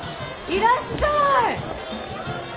いらっしゃい。